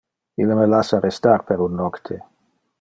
Ille me lassa restar per un nocte.